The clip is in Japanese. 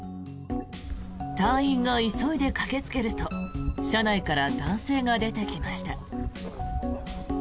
隊員が急いで駆けつけると車内から男性が出てきました。